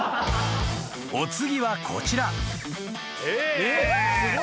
［お次はこちら］